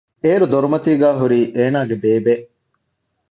އޭރު ދޮރުމަތީގައި ހުރީ އޭނަގެ ބޭބޭ